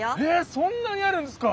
そんなにあるんですか！？